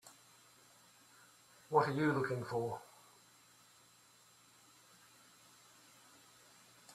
What are you looking for?